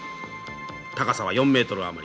高さは４メートル余り。